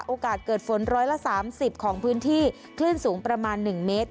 โอกาสเกิดฝน๑๓๐ของพื้นที่คลื่นสูงประมาณ๑เมตร